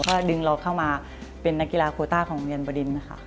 ก็ดึงเราเข้ามาเป็นนักกีฬาโคต้าของโรงเรียนบดินนะคะ